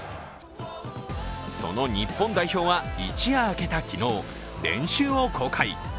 その日本代表は一夜明けた昨日、練習を公開。